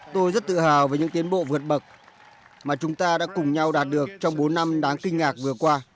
tôi rất tự hào về những tiến bộ vượt bậc mà chúng ta đã cùng nhau đạt được trong bốn năm đáng kinh ngạc vừa qua